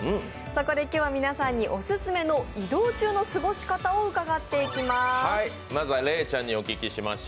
そこで今日は皆さんにオススメの移動中の過ごし方を伺っていきます。